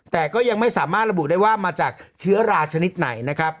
แต่ก็ยังไม่สามารถระบุได้ว่ามาจากเชื้อราชนิดไหนนะครับ